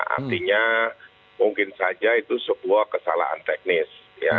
artinya mungkin saja itu sebuah kesalahan teknis